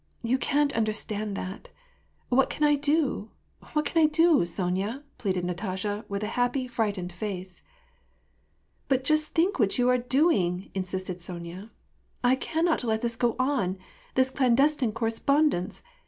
You can't understand that. What can I do? What can I do, Sonya ?" pleaded Natasha, with a happy, frightened face. " But just think what you are doing," insisted Sonya. " I cannot let this go on. This clandestine correspondence